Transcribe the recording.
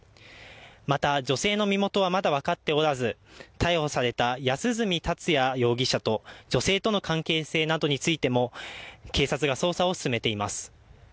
また、女性の身元はまだ分かっておらず逮捕された安栖達也容疑者と女性との関係性などについても警察が捜査を進めています。